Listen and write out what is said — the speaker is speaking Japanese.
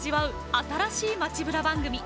新しい街ブラ番組。